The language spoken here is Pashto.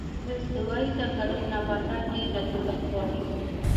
د استوایي ځنګلونو نباتات ډېر رطوبت غواړي.